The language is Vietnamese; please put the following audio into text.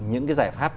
những cái giải pháp